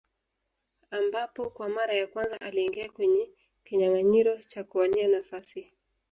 Ambapo kwa mara ya kwanza aliingia kwenye kinyanganyiro cha kuwania nafasi